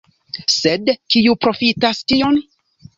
Sed kiu profitas tion?